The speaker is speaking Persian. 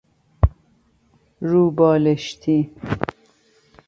رو بالشتی